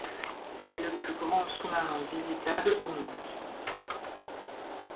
C'est le plus grand sous-marin visitable au monde.